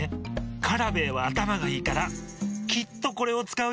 カラベーはあたまがいいからきっとこれをつかうよ。